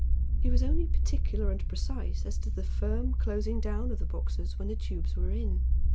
He was only particular and precise as to the firm closing down of the boxes when the tubes were in.